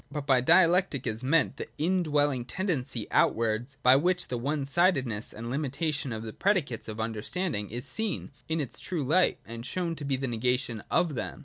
But by Dialectic is meant the in dwelling tendency outwards by which the one sidedness and limitation of the predicates of understanding is seen in its true light, and shown to be the negation of them.